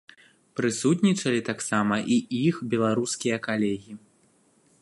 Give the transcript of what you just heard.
Прысутнічалі таксама і іх беларускія калегі.